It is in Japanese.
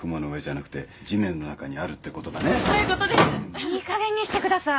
いいかげんにしてください。